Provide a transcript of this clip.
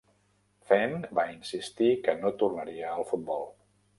Fenn va insistir que no tornaria al futbol.